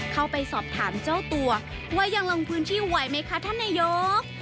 เข้าไปสอบถามเจ้าตัวว่ายังลงพื้นที่ไหวไหมคะท่านนายก